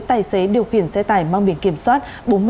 tài xế điều khiển xe tải mang biển kiểm soát